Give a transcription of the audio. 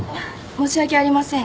申し訳ありません。